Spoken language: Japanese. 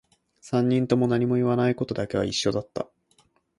三人とも何も言わないことだけは一緒だった